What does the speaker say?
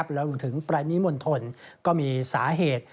รวมถึงปรณีมณฑลก็มีสาเหตุ